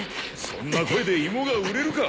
そんな声で芋が売れるか！